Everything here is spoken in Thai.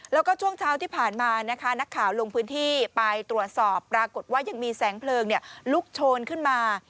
แล้วก็ช่วงเช้าที่ผ่านมานะคะนักข่าวลงพื้นที่ไปตรวจสอบปรากฏว่ายังมีแสงเพลิงลุกโชนขึ้นมา